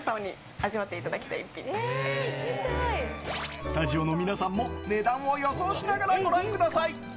スタジオの皆さんも値段を予想しながらご覧ください。。